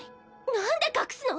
何で隠すの？